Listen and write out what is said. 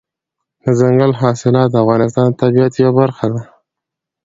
دځنګل حاصلات د افغانستان د طبیعت یوه برخه ده.